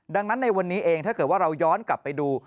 ดังนั้นในวันนี้เองถ้าเกิดว่าเราย้อนกลับไปดู